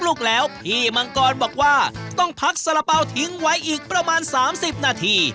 ลูกแล้วพี่มังกรบอกว่าต้องพักสารเป๋าทิ้งไว้อีกประมาณ๓๐นาที